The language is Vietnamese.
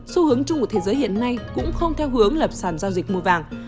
xu hướng chung của thế giới hiện nay cũng không theo hướng lập sàn giao dịch mua vàng